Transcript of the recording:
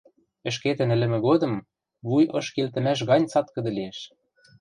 Ӹшкетӹн ӹлӹмӹ годым вуй ыш келтӹмӓш гань цаткыды лиэш...